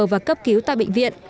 và cấp cứu tại bệnh viện